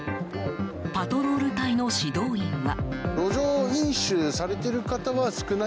パトロール隊の指導員は。